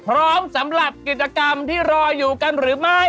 สำหรับกิจกรรมที่รออยู่กันหรือไม่